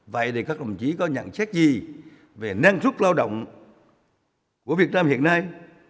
vậy thì các đồng chí có nhận xét gì về năng suất lao động của việt nam hiện nay